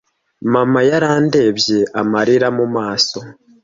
Mama yarandebye amarira mu maso.